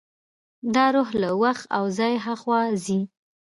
دا روح له وخت او ځای هاخوا ځي.